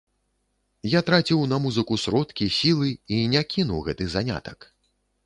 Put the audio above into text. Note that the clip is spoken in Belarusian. Я траціў на музыку сродкі, сілы, і не кіну гэты занятак.